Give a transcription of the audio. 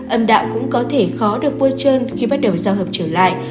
âm đạo cũng có thể khó được bôi chân khi bắt đầu giao hợp trở lại